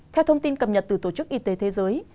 theo thông tin cập nhật từ tổ chức y tế thế giới